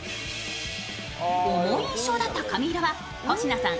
重い印象だった髪色は保科さん